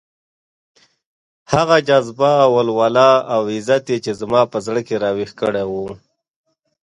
هغه جذبه، ولوله او عزت يې چې زما په زړه کې راويښ کړی وو.